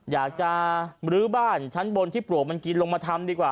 อยากจะลื้อบ้านชั้นบนที่ปลวกมันกินลงมาทำดีกว่า